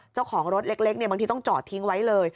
เจ้าของรถเล็กบางทีต้องจอดทิ้งไว้เลย